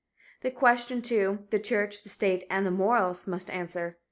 This question, too, the church, the state and the moralist must answer.